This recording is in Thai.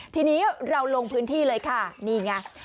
ทีนี้เราลงพื้นที่เลยค่ะนี่ไง